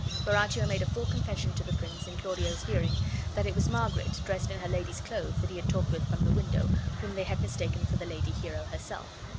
Borachio made a full confession to the prince in Claudio's bearing that it was Margaret dressed in her lady's clothes that he had talked with from the window, whom they had mistaken for the lady Hero herself.